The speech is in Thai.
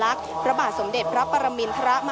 พาคุณผู้ชมไปติดตามบรรยากาศกันที่วัดอรุณราชวรรมหาวิหารค่ะ